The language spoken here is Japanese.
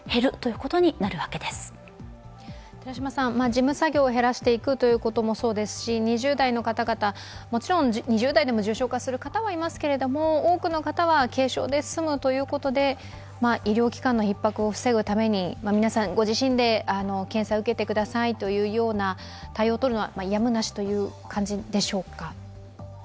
事務作業を減らしていくということもそうですし２０代の方々、もちろん２０代でも重症化する方はいらっしゃいますけれども多くの方は軽症で済むということで、医療機関のひっ迫を防ぐために皆さん、ご自身で検査を受けてくださいという対応を取るのはやむなしという感じでしょうか。